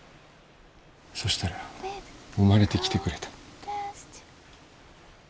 そしたら生まれてきてくれた。